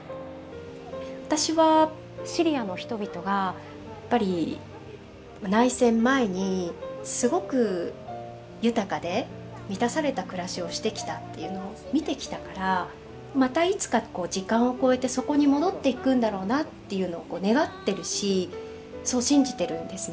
私はシリアの人々がやっぱり内戦前にすごく豊かで満たされた暮らしをしてきたっていうのを見てきたからまたいつか時間を超えてそこに戻っていくんだろうなっていうのを願ってるしそう信じてるんですね。